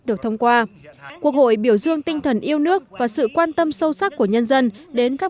được thông qua quốc hội biểu dương tinh thần yêu nước và sự quan tâm sâu sắc của nhân dân đến các